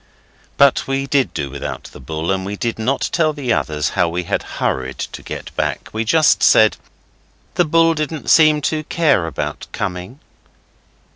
But we did do without the bull, and we did not tell the others how we had hurried to get back. We just said, 'The bull didn't seem to care about coming.